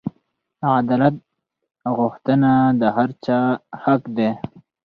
عدالت غوښتنه د هر چا حق دی.